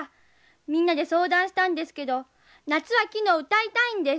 みんなで相談したんですけど「夏は来ぬ」を歌いたいんです。